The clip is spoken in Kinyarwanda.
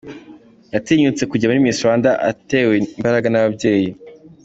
Yatinyutse kujya muri Miss Rwanda atewe imbaraga n’ababyeyi.